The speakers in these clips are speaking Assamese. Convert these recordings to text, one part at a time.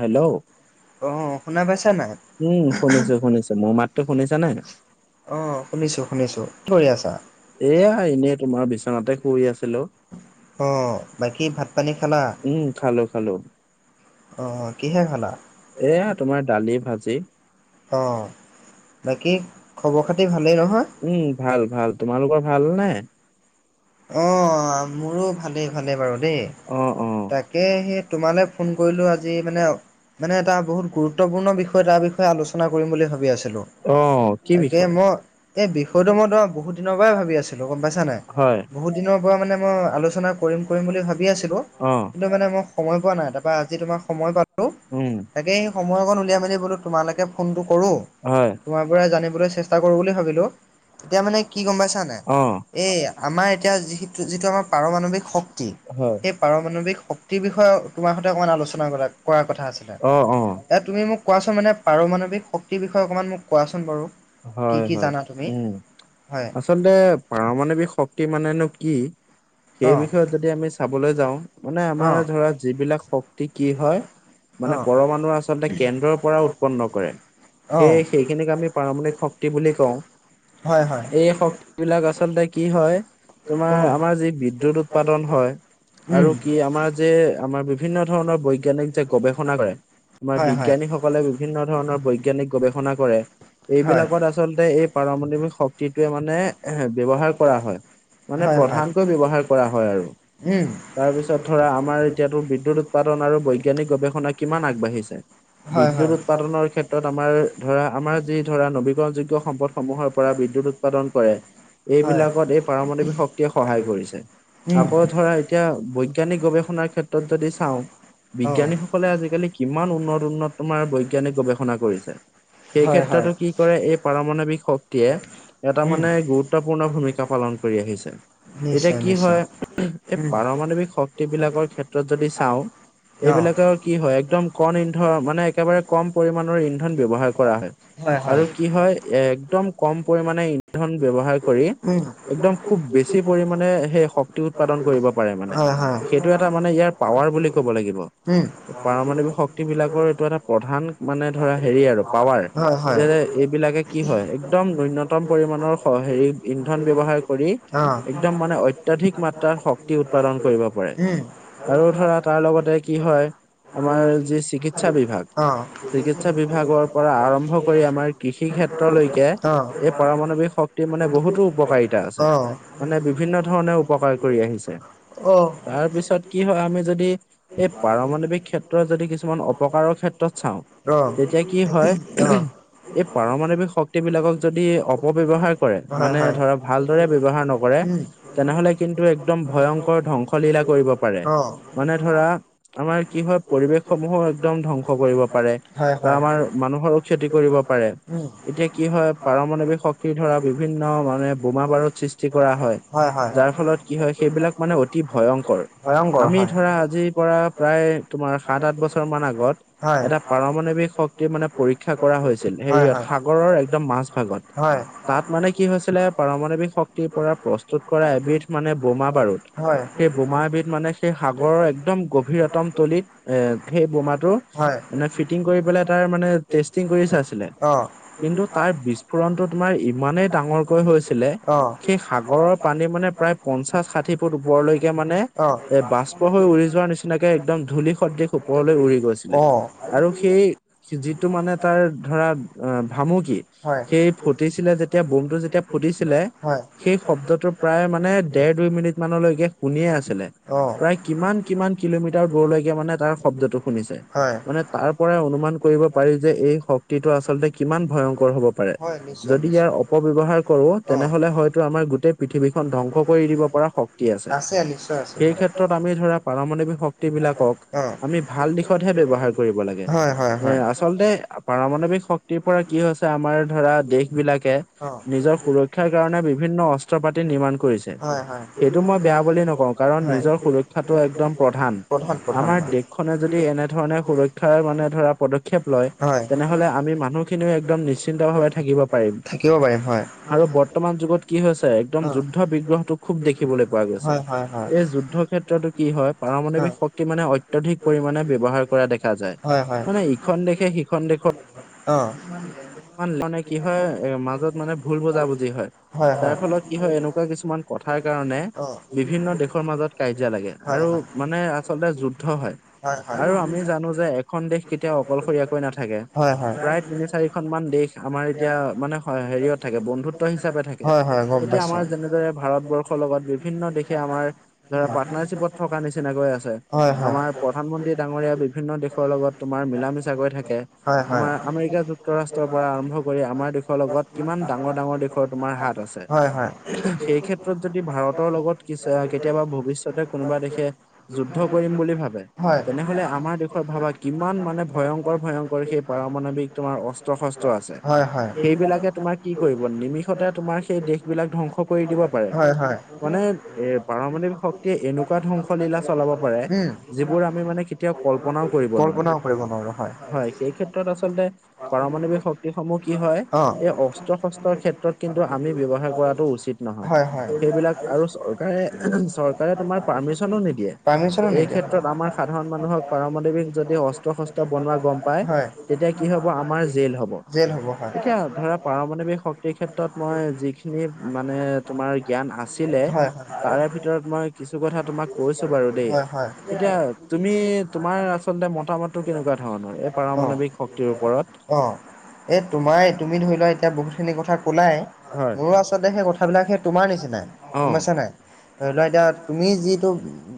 হেল্ল' হেল্ল' অ' শুনা পাইছা নাই? উম শুনিছো শুনিছো মোৰ মাত। টো শুনিছা নাই? অ' শুনিছো- শুনিছো কি ধৰি আছা? এয়া এনেই তোমাৰ বিচনাতে শুই আছিলো। অঁ বাকী ভাত পানী খালা, উম খালো খালো। অঁ কিহে খালা? এয়া তোমাৰ দালি ভাজি। অঁ বাকী খবৰ খাতি ভালেই নহয়। উম ভাল ভাল তোমালোকৰ ভাল নে? অঁ মোৰো ভালেই ভালেই বাৰু দেই। অ অ তাকে সেই তোমালৈ ফোন কৰিলোঁ আজি মানে। মানে এটা বহুত গুৰুত্বপূৰ্ণ বিষয় তাৰ বিষয়ে আলোচনা কৰিম বুলি ভাবি আছিলোঁ। অ কি তাকে বিষয় মই এই বিষয়টো মই তো বহুত দিনৰ পৰাই ভাবি আছিলো গম পাইছা নাই? হয় বহুত দিনৰ পৰা মানে মই আলোচনা কৰিম - কৰিম বুলি ভাবি আছিলোঁ। অঁ। মানে মই সময় পোৱা নাই, তাৰপৰা আজি তোমাৰ সময় পালো উম তাকে। সময় অকন উলিয়াই মেলি বোলো তোমালকে ফোনতো কৰো হয় তোমাৰ পৰা জানিবলৈ চেষ্টা। চেষ্টা কৰো বুলি ভাবিলো, এতিয়া মানে কি গম পাইছানে অ এই আমাৰ এতিয়া যি যিটো আমাৰ। পাৰমাণৱিক শক্তি। হয় সেই পাৰমাৱিক শক্তিৰ বিষয়ে তোমাৰ সৈতে অকমান আলোচনা কৰাৰ কথা আছিলে। অ অ এ তুমি মোক কোৱাচোন মানে পাৰমাণৱিক শক্তিৰ বিষয়ে অকণমান মোক কোৱাচোন বাৰু কি হয় কি হয় জানা তুমি উম হয় আচলতে পাৰমাণৱিক শক্তি মানেনো কি সেই অঁ বিষয়ে যদি আমি চাবলৈ যাও মানে আমাৰ অঁ ধৰা যিবিলাক শক্তি কি হয় মানে অঁ পৰমাণু আচলতে কেন্দ্ৰৰ পৰা উৎপন্ন কৰে অঁ সেই সেইখিনিক আমি পাৰণিক শক্তি বুলি কওঁ হয় হয় এই শক্তিবিলাক আচলতে কি হয় তোমাৰ অঁ আমাৰ যি বিদ্যুৎ উৎপাদন হয় আৰু কি আমাৰ [unintelligible] যে আমাৰ বিভিন্ন ধৰণৰ বৈজ্ঞানিক যে গৱেষণা কৰে আমাৰ হয় হয় বিজ্ঞানীসকলে বিভিন্ন ধৰণৰ বৈজ্ঞানিক গৱেষণা কৰে হয় এইবিলাক আচলতে এই পাৰমাণৱিক শক্তিটোৱে মানে এ ব্যৱহাৰ কৰা হয় মানে হয় হয় প্ৰধানকৈ ব্যৱহাৰ কৰা হয় আৰু উম তাৰপিছত ধৰা আমাৰ এতিয়াতো বিদ্যুৎ উৎপাদন আৰু বৈজ্ঞানিক গৱেষণা কিমান আগবাঢ়িছে হয় বিদ্যুৎ হয় উৎপাদনৰ ক্ষেত্ৰত আমাৰ ধৰা আমাৰ যি ধৰা নবী নবীকৰণযোগ্য সম্পদসমূহৰ পৰা বিদ্যুৎ উৎপাদন কৰে হয় এইবিলাকত এই পাৰমাণৱিক শক্তিয়ে সহায় কৰিছে উম আকৌ ধৰা এতিয়া বৈজ্ঞানিক গৱেষণাৰ ক্ষেত্ৰত যদি চাওঁ অঁ বিজ্ঞানীসকলে আজিকালি কিমান উন্নত উন্নত তোমাৰ বৈজ্ঞানিক গৱেষণা কৰিছে হয় হয় টো কি কৰে এই পাৰমাণৱিক শক্তিয়ে এটা উম মানে গুৰুত্বপূৰ্ণ ভূমিকা পালন কৰি আহিছে এতিয়া নিশ্চয় কি হয় নিশ্চয় এই উম পাৰমাণৱিক শক্তি বিলাকৰ ক্ষেত্ৰত যদি চাওঁ অঁ এইবিলাকৰ কি হয় একদম কম ইন্ধন মানে একেবাৰে কম পৰিমানৰ ইন্ধন ব্যৱহাৰ কৰা হয় আৰু কি হয় একদম কম পৰিমানে ইন্ধন ব্যৱহাৰ কৰি উম একদম খুব বেছি পৰিমাণে সেই শক্তি উৎপাদন কৰিব পাৰে মানে হয় হয় এইটো এটা মানে ইয়াৰ পাৱাৰ বুলি ক'ব লাগিব উম পাৰমাণৱিক শক্তি বিলাকৰ এইটো এটা প্ৰধান মানে ধৰা হেৰি আৰু পাৱাৰ হয় হয় যে এইবিলাকে কি হয় একদম ন্যূনতম পৰিমাণৰ হেৰি ইন্ধন ব্যৱহাৰ কৰি অঁ একদম মানে অত্যাধিক মাত্ৰাত শক্তি উৎপাদন কৰিব পাৰে উম আৰু ধৰা তাৰ লগতে কি হয় আমাৰ যি চিকিৎসা বিভাগ অঁ চিকিৎসা বিভাগৰ পৰা আৰম্ভ কৰি আমাৰ কৃষি ক্ষেত্ৰলৈকে অঁ এই পাৰমাৱিক শক্তি মানে বহুতো উপকাৰিতা আছে অঁ মানে বিভিন্ন ধৰণে উপকাৰ কৰি আহিছে তাৰপিছত কি হয় আমি যদি এই পাৰমাৱিক ক্ষেত্ৰত যদি কিছুমান অপকাৰৰ ক্ষেত্ৰত চাওঁ অঁ অঁ তেতিয়া কি অঁ হয় এই পাৰমাৱিক শক্তি বিলাকক যদি অপব্যৱহাৰ কৰে হয় মানে হয় ধৰা ভালদৰে ব্যৱহাৰ নকৰে উম তেনেহলে কিন্তু একদম ভয়ংকৰ ধ্বংসলীলা কৰিব পাৰে অঁ মানে ধৰা আমাৰ কি হয় পৰিবেশ সমূহো একদম ধ্বংস কৰিব পাৰে হয় বা হয় আমাৰ মানুহৰো ক্ষতি ‍ কৰিব পাৰে উম এতিয়া কি হয় পাৰমাৱিক শক্তিৰ ধৰা বিভিন্ন মানে বোমা বাৰুত সৃষ্টি কৰা হয় যাৰ ফলত কি হয় সেইবিলাক মানে অতি ভয়ংকৰ ভয়ংকৰ আমি হয় ধৰা আজি পৰা প্ৰায় তোমাৰ সাত আঠ বছৰ মান আগত হয় এটা পাৰমাণৱিক শক্তিৰ মানে পৰীক্ষা কৰা হৈছিল হয় হয় হেৰিয়াত সাগৰৰ একদম মাজ ভাগত তাত মানে কি হৈছিলে পাৰমাণৱিক শক্তিৰ পৰা প্ৰস্তুত কৰা এবিধ মানে বোমা বাৰুদ হয় সেই বোমাবিধ মানে সেই সাগৰৰ একদম গ বতম তলিত এ সেই বোমাটো হয় মানে ফিটিং কৰি পেলাই তাৰ মানে আছিলে অ কিন্তু তাৰ বিস্ফোৰণতটো তোমাৰ ইমানেই ডাঙৰকৈ হৈছিলে। অ সেই সাগৰৰ পানী মানে প্ৰায় পঞ্চাশ ষাঠি ফুট ওপৰলৈকে মানে অ এ বাষ্প হৈ উৰি যোৱাৰ নিচিনাকে একদম ধূলি সদৃশ্য ওপৰলৈ উৰি গৈছিলে অ আৰু সেই যিটো মানে তাৰ ধৰা অ ভামুকি হয় সেই ফুটিছিলে যেতিয়া বুমটো যেতিয়া ফুটিছিলে হয় সেই শব্দটো প্ৰায় মানে দেৰ দুই মিনিট মানলৈকে শুনিয়ে আছিলে। অ প্ৰায় কিমান কিমান কিলোমিটাৰ দূৰলৈকে মানে তাৰ শব্দতটো শুনিছে। হয় মানে তাৰ পৰাই অনুমান কৰিব পাৰি যে এই শক্তিটো আচলতে কিমান ভয়ংকৰ হ'ব পাৰে হয় নিশ্চয় যদি নিশ্চয় ইয়াৰ অপব্যৱহাৰ কৰো। অ তেনেহলে হয়তো আমাৰ গোটেই পৃথিৱীখন ধ্বংস কৰি দিব পৰা শক্তি আছে। নিশ্চয় আছে সেই হয় ক্ষেত্ৰত আমি ধৰা পাৰমাণৱিক শক্তি বিলাকক অ আমি ভাল দিশতহে ব্যয়ৱহাৰ কৰিব লাগে। হয় হয় এ হয় আচলতে পাৰমাৱিক শক্তিৰ পৰা কি হৈছে আমাৰ ধৰা দেশ বিলাকে অ নিজৰ সুৰক্ষাৰ কাৰণে বিভিন্ন অস্ত্ৰ পাতি নিৰ্মাণ কৰিছে। হয় হয়, সেইটো মই বেয়া বুলি নকওঁ কাৰণ হয়। নিজৰ সুৰক্ষাটো একদম প্ৰধান প্ৰধান আমাৰ হয় দেশখনে যদি এনেধৰণে সুৰক্ষা মানে ধৰা পদক্ষেপ পদক্ষেপ লয় হয় তেনেহলে আমি মানুহখিনিও একদম নিশ্চিন্ত ভাৱে থাকিব পাৰিম। থাকিব পাৰিম হয়। আৰু বৰ্তমান যুগত কি হৈছে, একদম অ যুদ্ধ বিগ্ৰহটো খুব দেখিবলৈ পোৱা গৈছে। হয় হয় হয় এই যুদ্ধ ক্ষেত্ৰতো কি হয় অ পাৰমাণৱিক শক্তি মানে অত্যাধিক পৰিমাণে ব্যৱহাৰ কৰা দেখা যায়। মানে ইখন দেশে সিখন দেশৰ অৱ মানে কি হয়, এ মাজত মানে ভুল বুজাবুজি হয়। তাৰ ফলত কি হয়, এনেকুৱা কিছুমান কথাৰ কাৰণে অ বিভিন্ন দেশৰ মাজত কাজিয়া লাগে হয় আৰু হয় মানে আচলতে যুদ্ধ হয়। আৰু আমি জানো যে এখন দেশ কেতিয়াও অকলশৰীয়াকৈ নাথাকে হয় হয় প্ৰায় তিনি চাৰি কেইখনমান দেশ আমাৰ এতিয়া মানে হেৰিয়ত থাকে বন্ধুত্ব হিচাপে থাকে। হয় হয় গম এতিয়া আমাৰ পাইছোঁ যেনেদৰে ভাৰতবৰ্ষৰ লগত বিভিন্ন দেশে আমাৰ ধৰা হয় হয়। পাৰ্টনাৰশ্বিপত থকা নিচিনাকৈ আছে। হয় হয়। আমাৰ প্ৰধানমন্ত্ৰী ডাঙৰীয়া বিভিন্ন দেশৰ লগত তোমাৰ মিলা মিছা কৈ থাকে। হয় হয় হয়। আমাৰ আমেৰিকা যুক্ত যুক্তৰাষ্ট্ৰৰ পৰা আৰম্ভ কৰি আমাৰ দেশৰ লগত কিমান ডাঙৰ ডাঙৰ দেশৰ তোমাৰ হাত আছে। হয় সেই ক্ষেত্ৰত ক্ষেত্ৰত যদি ভাৰতৰ লগত কি কেতিয়াবা ভৱিষ্যতে কোনোবা দেশে যুদ্ধ কৰিম বুলি ভাবে। তেনেহলে আমাৰ দেশৰ ভাবা কিমান মানে ভয়ংকৰ ভয়ংকৰ সেই পাৰমাণৱিক তোমাৰ অস্ত্ৰ-শস্ত্ৰ আছে। হয়। সেইবিলাকে তোমাৰ কি কৰিব নিমিষতে তোমাৰ সেই দেশ বিলাক ধ্বংস কৰি দিব পাৰে। হয় হয় মানে এ পাৰমণিক শক্তিয়ে এনেকুৱা ধংস ধংসলীলা চলাব পাৰে। উম। যিবোৰ আমি মানে কেতিয়াও কল্পনাও কৰিব নোৱাৰো। কল্পনাও কৰিব নোৱাৰো হয় সেই ক্ষেত্ৰত আচলতে পাৰমাৱিক শক্তি সমূহ কি হয়। অ এই অস্ত্ৰ-শস্ত্ৰৰ ক্ষেত্ৰত কিন্তু আমি ব্যৱহাৰ কৰাটো উচিত নহয়। হয় হয়। সেইবিলাক আৰু চৰকাৰে চৰকাৰে তোমাৰ পাৰ্মিশনো নিদিয়ে। পাৰ্মিচনো এই নিদিয়ে। ক্ষেত্ৰত আমাৰ সাধাৰণ মানুহক পাৰমাণৱিক যদি অস্ত্ৰ-শস্ত্ৰ বনোৱা গম পায়। হয়, তেতিয়া কি হ'ব আমাৰ জেল হ'ব। জেল হ'ব হয়, এতিয়া ধৰা পাৰমাৱিক শক্তিৰ ক্ষেত্ৰত মই যি মানে তোমাৰ জ্ঞান আছিলে, হয়, হয়, তাৰে ভিতৰত মই কিছু কথাত তোমাক কৈছো বাৰু দেই। হয়, হয়, এতিয়া তুমি তোমাৰ আচলতে মতামতটো কেনেকুৱা ধৰণৰ এই পাৰমাণৱিক শক্তিৰ ও অঁ! এ তোমাৰ তুমি ধৰি লোৱা এতিয়া বহুতখিনি কথা [unintelligible] শোলাই [unintelligible] হয়, মোৰো আচলতে সেই কথাবিলাক সেই তোমাৰ নিচিনাই গম পাইছা নাই? ধৰি লোৱা এতিয়া তুমি যিটো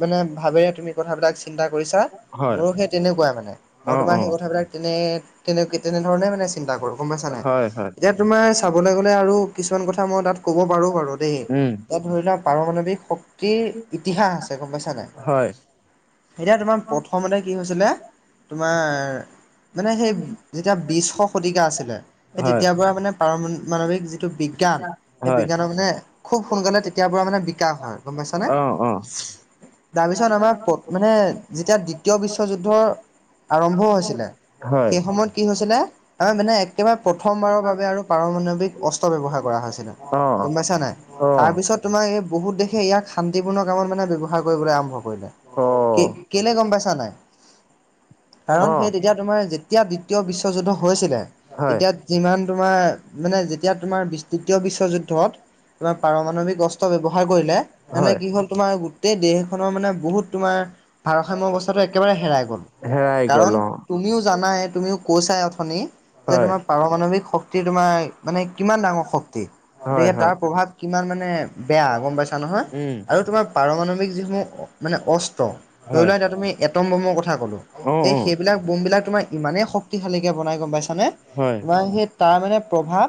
মানে ভাবেৰে তুমি কথাবিলাক চিন্তা কৰিছা, হয়, মোৰো সেই তেনেকুৱাই মানে মই অ' তোমাৰ সেই অ' কথাবিলাক [unintelligible] তেনে-তেনে তেনেধৰণে মানে চিন্তা কৰোঁ গম পাইছা নাই? হয়, হয়, এতিয়া [unintelligible] তোমাৰ চাবলৈ গ'লে আৰু কিছুমান কথা মই তাত [unintelligible] ক'ব পাৰোঁ বাৰু দেই। উম তাত ধৰি লোৱা পাৰমাণৱিক শক্তিৰ ইতিহাস আছে [unintelligible] [unintelligible] এতিয়া গম পাইছা নাই? হয়, এতিয়া তোমাৰ প্ৰথমতে কি হৈছিলে তোমাৰ মানে সেই যেতিয়া বিশ শতিকা আছিলে সেই হয়। তেতিয়াৰ পৰা মানে [unintelligible] পাৰমানৱিক যি [unintelligible] যিটো বিজ্ঞান সেই হয়, বিজ্ঞানৰ মানে খুব সোনকালে তেতিয়াৰ পৰা মানে বিকাশ হয়, গম পাইছানে? [unintelligible] অ', অ'। [unintelligible] তাৰপিছত আমাৰ [unintelligible] মানে যেতিয়া দ্বিতীয় বিশ্বযুদ্ধৰ আৰম্ভ হৈছিলে হয়, সেই সময়ত কি হৈছিলে [unintelligible] আমাৰ মানে একেবাৰে প্ৰথমবাৰৰ বাবে আৰু পাৰমাণৱিক অস্ত্ৰ ব্যৱহাৰ কৰা হৈছিলে। অ', [unintelligible] অ', গম পাইছা নাই? তাৰপিছত [inaudible] তোমাৰ এই বহুত দেশে ইয়াক শান্তিপূৰ্ণ কামত মানে ব্যৱহাৰ কৰিবলৈ আৰম্ভ কৰিলে। [unintelligible] [unintelligible] অ', কে-কেলে গম পাইছা নাই? কাৰণ সেই অ', তেতিয়া তোমাৰ যেতিয়া দ্বিতীয় বিশ্বযুদ্ধ হৈছিলে হয়, তেতিয়া [unintelligible] যিমান তোমাৰ মানে যেতিয়া তোমাৰ তৃতীয় বিশ্বযুদ্ধত [unintelligible] তোমাৰ পাৰমাণৱিক অস্ত্ৰ ব্যৱহাৰ কৰিলে, তেনেহলে হয়। কি হ'ল তোমাৰ [inaudible] গোটেই দেশখনৰ মানে বহুত তোমাৰ [inaudible] ভাৰসাম্য অৱস্থাটো একেবাৰে হেৰাই গ'ল হেৰাই কাৰণ গ'ল অ', তুমিও জানাই তুমিও [unintelligible] কৈছাই অথনি যে হয়, তোমাৰ পাৰমাণৱিক শক্তি তোমাৰ মানে [unintelligible] কিমান ডাঙৰ শক্তি হয়, গতিকে হয়, তাৰ প্ৰভাৱ কিমান মানে বেয়া গম পাইছা নহয় উম, আৰু তোমাৰ [unintelligible] পাৰমাণৱিক যিসমূহ মানে অস্ত্ৰ ধৰি হয়। লোৱা এতিয়া তুমি [unintelligible] এটম বোমৰ কথা ক'লোঁ অ এই অ সেইবিলাক বোমবিলাক তোমাৰ ইমানেই শক্তিশালীকৈ বনাই, গম পাইছানে? [unintelligible] হয় তোমাৰ সেই তাৰ মানে প্ৰভাৱ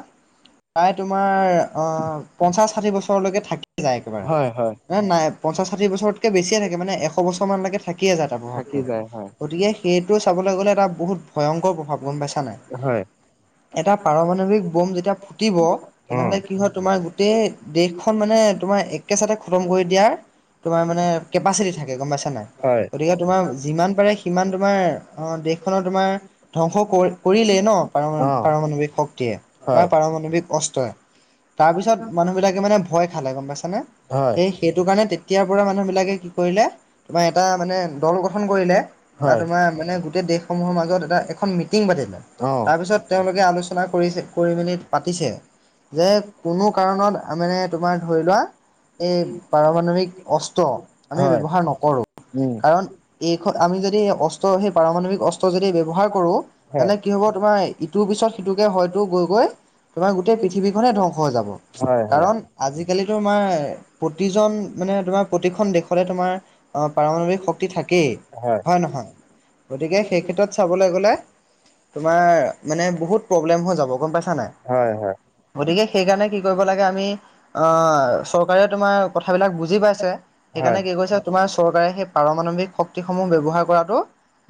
প্ৰায় তোমাৰ অঁ পঞ্চাছ [unintelligible] ষাঠি বছৰলৈকে থাকি যায় একেবাৰে হয় হয় এ নাই পঞ্চাছ, ষাঠি বছৰতকে বেছিয়ে থাকে মানে এশ বছৰ [unintelligible] [unintelligible] মানলৈকে থাকিয়ে যায় তাৰ থাকি প্ৰভাৱটো। যায় হয় গতিকে সেইটো চাবলৈ গ'লে এটা বহুত ভয়ংকৰ প্ৰভাৱ গম পাইছা [inaudible] হয়। এটা পাৰমাণৱিক বোম যেতিয়া ফুটিব [unintelligible] অ তেনেহ'লে কি হয় তোমাৰ গোটেই দেশখন মানে তোমাৰ একে চাতে খতম কৰি দিয়াৰ [unintelligible] তোমাৰ মানে কেপাচিটি থাকে, গম পাইছা নাই? [unintelligible] হয় গতিকে তোমাৰ যিমান পাৰে সিমান তোমাৰ অঁ দেশখনৰ তোমাৰ ধ্বংস কৰি [unintelligible] [unintelligible] কৰিলেই ন, অ [unintelligible] পাৰমাণৱিক শক্তিয়ে বা হয় পাৰমাণৱিক অস্ত্ৰই। তাৰপিছত মানুহবিলাকে মানে ভয় খালে গম পাইছা নে? হয় সেই সেইটো কাৰণে তে [unintelligible] তেতিয়াৰ পৰা মানুহবিলাকে কি কৰিলে তোমাৰ এটা মানে দল গঠন কৰিলে বা হয় তোমাৰ [unintelligible] [unintelligible] মানে গোটেই দেশসমূহৰ মাজত এটা এখন মিটিং পাতিলে, অ তাৰপিছত তেওঁলোকে আলোচনা কৰিছে [unintelligible] কৰি মেলি পাতিছে। যে কোনো কাৰণত মানে তোমাৰ ধৰি লোৱা এই পাৰমাণৱিক [unintelligible] অস্ত্ৰ আমি হয় ব্যৱহাৰ নকৰোঁ উম [unintelligible] কাৰণ [unintelligible] এইখন আমি যদি অস্ত্ৰ সেই পাৰমাণৱিক অস্ত্ৰ যদি ব্যৱহাৰ কৰোঁ। হয় এনেই কি হব তোমাৰ ইটোৰ পিছত সিটোকে হয়তো গৈ-গৈ [unintelligible] তোমাৰ গোটেই পৃথিৱীখনেই ধ্বংস হৈ যাব। [unintelligible] হয়-হয়। আজিকালিত আমাৰ প্ৰতিজন মানে তোমাৰ প্ৰতিখন দেশতে তোমাৰ পাৰমাণবিক শক্তি থাকেই হয় নহয়। গতিকে, সেই ক্ষেত্ৰত চাবলে গ'লে তোমাৰ মানে বহুত প্ৰব্লেম হৈ যাব, গম পাইছা নাই? হয়, হয়! গতিকে, সেইকাৰণে কি কৰিব লাগে আমি- আহ চৰকাৰে তোমাৰ কথাবিলাক বুজি পাইছে হয় সেইকাৰণে কি কৈছে তোমাৰ চৰকাৰে সেই পাৰমাণবিক শক্তিসমূহ ব্যৱহাৰ কৰাটো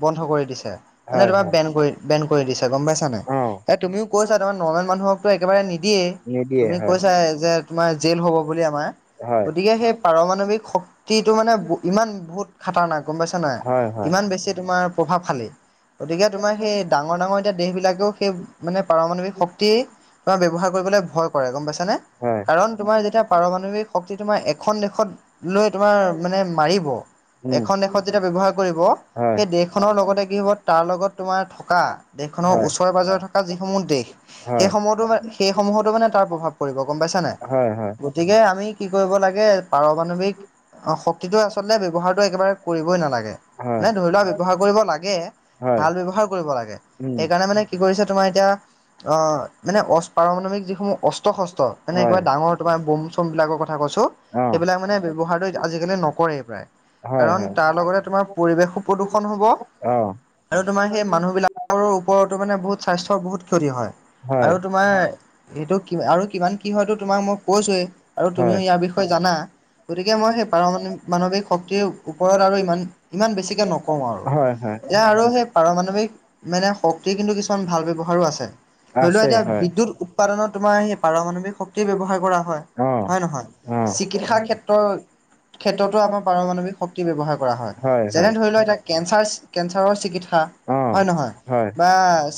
বন্ধ কৰি দিছে, মানে হয় তোমাৰ হয় বেন কৰি বেন কৰি দিছে গম পাইছা নে? অ এ তুমিও কৈছা দেখোন নৰ্মেল মানুহকটো একেবাৰে নিদিয়েই, নিদিয়ে তুমি হয় কৈছাই যে তোমাৰ জেল হ'ব বুলি আমাৰ। হয় গতিকে, সেই পাৰমাণৱিক শক্তিটো মানে ইমান বহুত খাতা নাই গম পাইছা নাই? হয় হয় ইমান বেছি তোমাৰ প্ৰভাৱশালী। গতিকে তোমাৰ সেই ডাঙৰ ডাঙৰ এতিয়া দেশবিলাকেও সেই মানে পাৰমাণৱিক শক্তি তোমাৰ ব্যৱহাৰ কৰিবলৈ ভয় কৰে, গম পাইছানে? হয় কাৰণ তোমাৰ যেতিয়া পাৰমাণৱিক শক্তি, তোমাৰ এখন দেশত লৈ তোমাৰ মানে মাৰিব, উম এখন দেশত যেতিয়া ব্যৱহাৰ কৰিব হয় সেই দেশ দেশখনৰ লগতে কি হ'ব তাৰ লগত তোমাৰ থকা, দেশখনৰ হয় ওচৰে- পাজৰে থকা যিসমূহ দেশ, হয় সেইসমূহতো সেই সমূহতো মানে তাৰ প্ৰভাৱ পৰিব গম পাইছানে? হয় হয় গতিকে, আমি কি কৰিব লাগে পাৰমাৱিক অ' শক্তিটো আচলতে ব্যৱহাৰটো একেবাৰে কৰিবই নালাগে। হয় নাই ধৰি লোৱা ব্যৱহাৰ কৰিব লাগে হয় ভাল ব্যৱহাৰ কৰিব লাগে, উম সেইকাৰণে মানে কি কৰিছে তোমাৰ এতিয়া আহ মানে অচ পাৰমাণৱিক যিসমূহ অস্ত-শস্ত্ৰ মানে হয় একেবাৰে ডাঙৰ তোমাৰ বম-চম বিলাকৰ কথা কৈছো। অ সেইবিলাক মানে ব্যৱহাৰটো আজিকালি নকৰেই প্ৰায়। হয় কাৰণ হয় তাৰ লগতে তোমাৰ পৰিৱেশো প্ৰদূষণ হব অ আৰু তোমাৰ সেই মানুহবিলাক আৰু ওপৰতো মানে বহুত স্বাস্থ্যৰ বহুত ক্ষতি হয়। আৰু তোমাৰ হয় এইটো কিবা আৰু কিমান কি হয়তো তোমাক মই কৈছোৱেই আৰু তুমিও হয় ইয়াৰ বিষয়ে জানা। গতিকে মই সেই পাৰমাণিক মান মানৱিক শক্তিৰ ওপৰত আৰু ইমান ইমান বেছিকে নক কওঁ আৰু হয় হয় এয়া আৰু সেই পাৰমাণৱিক মানে শক্তি কিন্তু কিছুমান ভাল ব্যৱহাৰো আছে। ধৰি লোৱা আছে এতিয়া হয়। বিদ্যুৎ উৎপাদনত তোমাৰ সেই পাৰমাৱিক শক্তি ব্যৱহাৰ কৰা হয়, অ হয় নহয়? অ চিকিৎসা ক্ষেত্ৰ ক্ষেত্ৰতো আমাৰ পাৰমাণৱিক শক্তি ব্যৱহাৰ কৰা হয়, যেনে ধৰি লোৱা এতিয়া কেঞ্চাৰ কেঞ্চাৰৰ চিকিৎসা অ হয় নহয়? হয় বা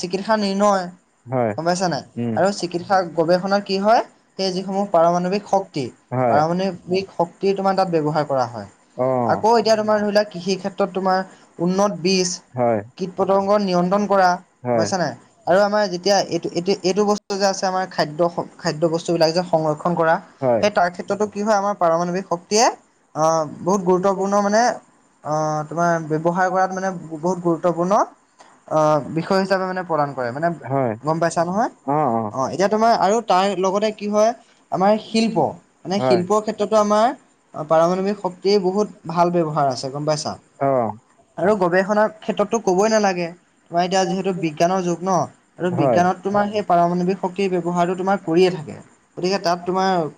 চিকিৎসা নিৰ্ণয়। হয় গম পাইছা নাই। উম। আৰু চিকিৎসা গৱেষণা কি হয় সেই যিসমূহ পাৰমাণৱিক শক্তি হয়। পাৰমাণ ৱিক শক্তি তোমাৰ তাত ব্যৱহাৰ কৰা হয়। অ আকৌ এতিয়া তোমাৰ ধৰি লোৱা-কৃষি ক্ষেত্ৰত তোমাৰ উন্নত বীজ হয় কীট-পতংগ নিয়ন্ত্ৰণ কৰা, হয় পাইছা নাই। আৰু আমাৰ যেতিয়া এইটো, এইটো এইটো বস্তু যে আছে আমাৰ খাদ্য খাদ্য বস্তুবিলাক যে সংৰক্ষণ কৰা, হয় সেই তাৰ ক্ষেত্ৰতো কি হয় আমাৰ পাৰমাৱিক শক্তিয়ে অ বহুত গুৰুত্বপূৰ্ণ মানে আহ তোমাৰ ব্যৱহাৰ কৰাত মানে বহুত গুৰুত্বপূৰ্ণ অঁহ, বিষয় হিচাপে মানে প্ৰদান কৰে, মানে হয় গম পাইছা নহয়? অ অ অঁ, এতিয়া তোমাৰ আৰু তাৰ লগতে কি হয় আমাৰ শিল্প মানে হয় শিল্পৰ ক্ষেত্ৰ আমাৰ পাৰমাণৱিক শক্তিৰ বহুত ভাল ব্যৱহাৰ আছে। গম পাইছা? অ আৰু গৱেষণাৰ ক্ষেত্ৰততো ক'বই নালাগে তোমাৰ এতিয়া যিহেতু বিজ্ঞানৰ যুগ ন! আৰু হয় বিজ্ঞানত তোমাৰ সেই পাৰমাণৱিক শক্তিৰ ব্যৱহাৰটো তোমাৰ কৰিয়ে থাকে। গতিকে, তাত তোমাৰ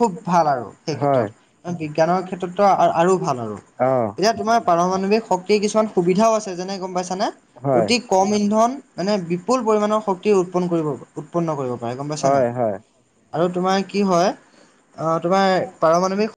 খুব ভাল আৰু। সেই হয় ক্ষেত্ৰত, বিজ্ঞানৰ ক্ষেত্ৰততো আৰু ভাল আৰু। অ এতিয়া তোমাৰ পাৰমাণৱিক শক্তিৰ কিছুমান সুবিধাও আছে যেনে গম পাইছানে? হয় অতি কম কম ইন্ধন মানে বিপুল পৰিণৰ শক্তি উৎপন্ কৰিব উৎপন্ন কৰিব পাৰে, গম পাইছা নাই? হয় হয় আৰু তোমাৰ কি হয়? আহ তোমাৰ পাৰমাণৱিক